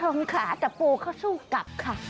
คุณผู้ชมขาดแต่ปูเค้าสู้กับ